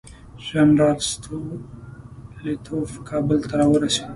جنرال ستولیتوف کابل ته راورسېد.